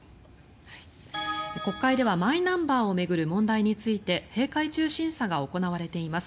国会ではマイナンバーを巡る問題について閉会中審査が行われています。